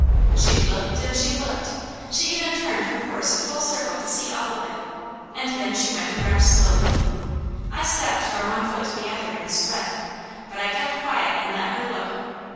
She looked and she looked. She even turned her horse a full circle to see all of it, and she went around slowly. I stepped from one foot to the other and sweat; but I kept quiet and let her look.